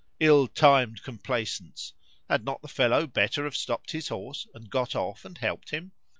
——Ill timed complaisance;—had not the fellow better have stopped his horse, and got off and help'd him?